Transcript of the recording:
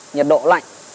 nhiệt độ lạnh